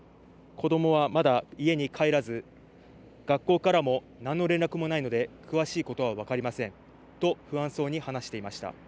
子どもは、まだ家に帰らず学校からも何の連絡もないので詳しいことは分かりませんと不安そうに話していました。